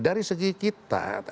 dari segi kita